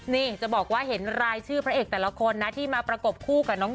เนี้ยจะบอกว่าเห็นรายชื่อพระเอกแต่ละคนนะที่มายังหนึ่ง